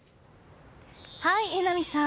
はい、榎並さん。